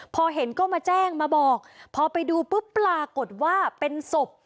พอเห็นก็มาแจ้งมาบอกพอไปดูปุ๊บปรากฏว่าเป็นศพ